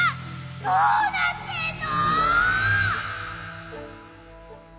どうなってんの！？